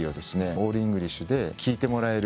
オールイングリッシュで聞いてもらえる。